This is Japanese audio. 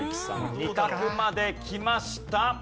２択まできました。